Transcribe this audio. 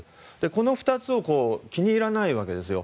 この２つを気に入らないわけですよ。